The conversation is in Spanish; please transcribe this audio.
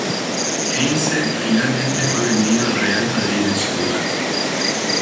Heinze finalmente fue vendido al Real Madrid en su lugar.